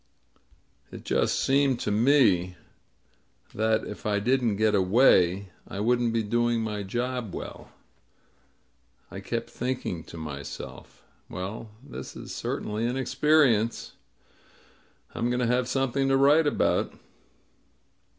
It just seemed to me that if I didn't get away I wouldn't be doing my job well. I kept thinking to myself: "Well, this is cer tainly an experience. I'm going to have something to write about."